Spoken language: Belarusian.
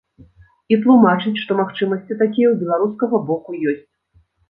І тлумачыць, што магчымасці такія ў беларускага боку ёсць.